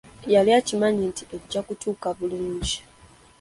Yali akimanyi nti ejja kutuuka bulungi.